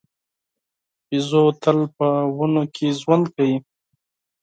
بیزو تل په ونو کې ژوند کوي.